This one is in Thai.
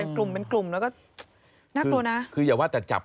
ก็พยายามจะจับ